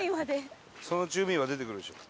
そのうち海は出てくるでしょ。